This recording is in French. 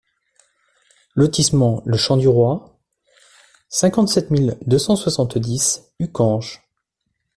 Lotissement le Champ du Roy, cinquante-sept mille deux cent soixante-dix Uckange